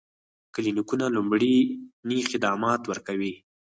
کلینیکونه لومړني خدمات ورکوي